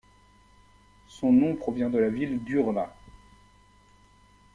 Son nom provient de la ville d'Urla.